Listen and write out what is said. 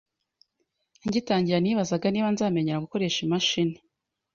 nkitangira nibazaga niba nzamenyera gukoresha imashini